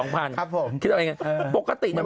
ครับผมคิดว่าไงปกตินะเวลา